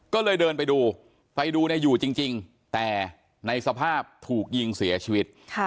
ก็เลยเดินไปดูไปดูอยู่จริงแต่ในสภาพถูกยิงเสียชีวิต